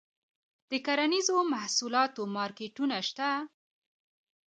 د کرنیزو محصولاتو مارکیټونه شته؟